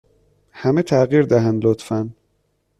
همه تغییر دهند، لطفا.